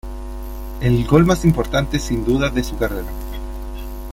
El gol más importante sin dudas de su carrera.